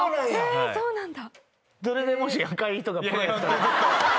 そうなんだ。